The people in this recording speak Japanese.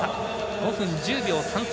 ５分１０秒３３。